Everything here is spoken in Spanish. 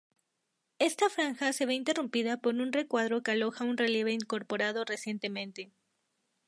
Esta franja se ve interrumpida por un recuadro que aloja un relieve incorporado recientemente.